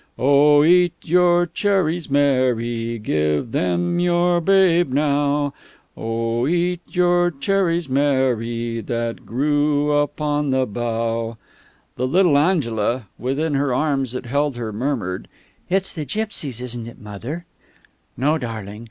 "'O, eat your cherries, Mary, Give them your Babe now; O, eat your cherries, Mary, That grew upon the bough._'" The little Angela, within the arms that held her, murmured, "It's the gipsies, isn't it, mother?" "No, darling.